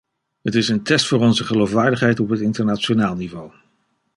Het is een test voor onze geloofwaardigheid op het internationaal niveau.